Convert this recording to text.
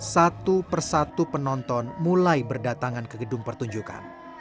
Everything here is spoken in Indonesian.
satu persatu penonton mulai berdatangan ke gedung pertunjukan